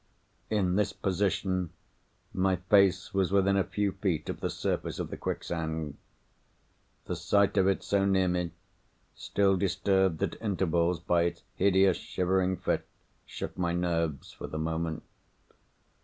In this position, my face was within a few feet of the surface of the quicksand. The sight of it so near me, still disturbed at intervals by its hideous shivering fit, shook my nerves for the moment.